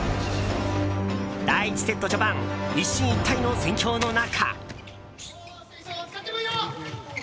第１セット序盤一進一退の戦況の中。